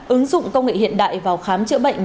ứng dụng công nghệ hiện đại vào khám chữa bệnh